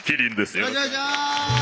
よろしくお願いします！